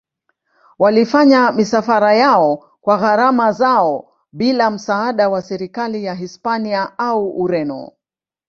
Walifanya misafara yao kwa gharama zao bila msaada wa serikali ya Hispania au Ureno.